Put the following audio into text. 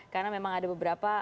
karena memang ada beberapa